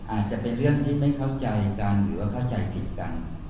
อาจจะเป็นเรื่องที่ไม่เข้าใจกันหรือว่าเข้าใจผิดกัน